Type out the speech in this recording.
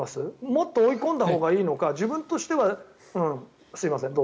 もっと追い込んだほうがいいのか自分としては。